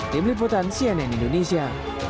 tim liputan cnn indonesia